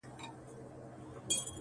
په کتو یې بې ساغره بې شرابو نشه کيږم-